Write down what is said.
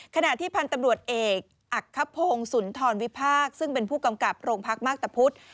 ขณะที่พันธุ์ตำรวจเอกอักขพงศ์สุนทรวิพากษ์ซึ่งเป็นผู้กำกับโรงพักมาพตะพุธ